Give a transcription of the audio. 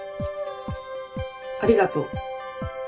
ありがとう。